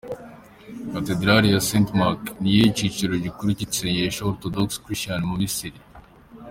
Katedrale ya St Mark niyo cicaro gikuru c'isengero Orthodox Christian mu Misiri.